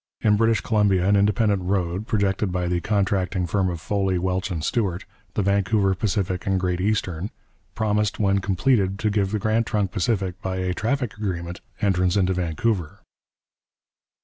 In British Columbia an independent road, projected by the contracting firm of Foley, Welch and Stewart the Vancouver, Pacific and Great Eastern promised when completed to give the Grand Trunk Pacific, by a traffic agreement, entrance into Vancouver.